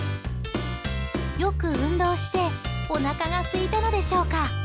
よく運動しておなかがすいたのでしょうか。